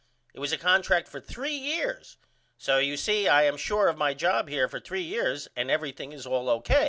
It was a contract for 3 years so you see I am sure of my job here for 3 years and everything is all O.